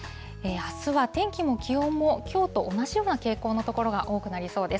あすは天気も気温もきょうと同じような傾向の所が多くなりそうです。